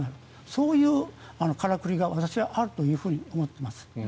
そういうからくりが私はあると思っています。